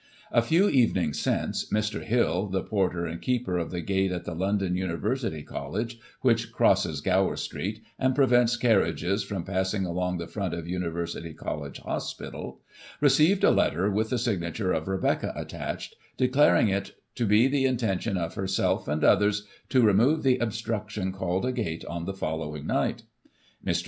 A few evenings since, Mr. Hill, the porter and keeper of the gate at the London University Col lege, which crosses Gower Street, and prevents carriages from passing along the front of University College Hospital, re ceived a letter, with the signature of ' Rebecca ' attached, declaring it to be the intention of herself and others to remove the * obstruction called a gate ' on the following night. Mr.